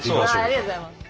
ありがとうございます。